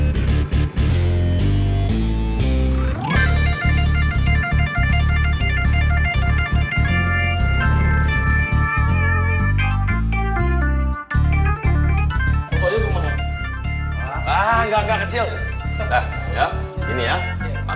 kalian jangan lupa neng raya